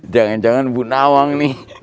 jangan jangan bu nawang nih